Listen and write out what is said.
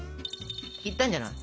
いったんじゃない？